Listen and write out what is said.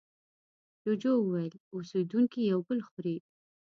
جوجو وویل اوسېدونکي یو بل خوري.